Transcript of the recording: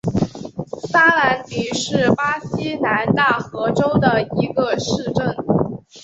萨兰迪是巴西南大河州的一个市镇。